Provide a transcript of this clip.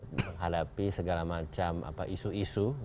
menghadapi segala macam isu isu